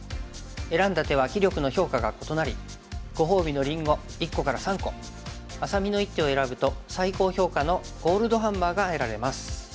選んだ手は棋力の評価が異なりご褒美のりんご１個から３個愛咲美の一手を選ぶと最高評価のゴールドハンマーが得られます。